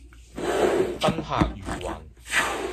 賓客如雲